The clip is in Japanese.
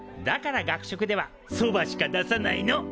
だから学食では「そば」しか出さないの。